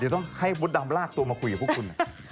เดี๋ยวต้องให้มดดำลากตัวมาคุยกับพวกคุณ